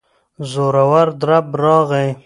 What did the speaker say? زورور درب راغی.